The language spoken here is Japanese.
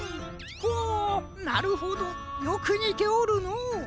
ほなるほどよくにておるのう。